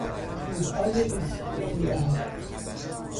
چوبهای اسکی روی آب